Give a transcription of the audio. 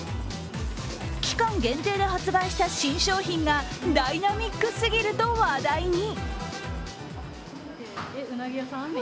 期間限定で発売した新商品がダイナミックすぎると話題に。